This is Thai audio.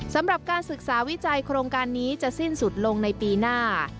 สำหรับการศึกษาวิจัยโครงการนี้จะสิ้นสุดลงในปีหน้า